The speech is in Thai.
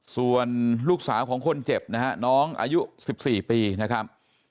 ส่วนลูกสาวของคนเจ็บนะฮะน้องอายุ๑๔ปีนะครับ